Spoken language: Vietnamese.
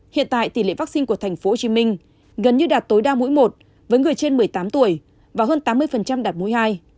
hiện tại tỷ lệ vaccine của tp hcm gần như đạt tối đa mỗi một với người trên một mươi tám tuổi và hơn tám mươi đạt mũi hai